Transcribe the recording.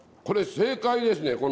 これ正解ですね